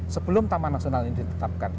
sebelum taman nasional ini ditetapkan